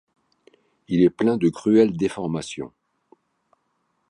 Il est plein de cruelles déformations.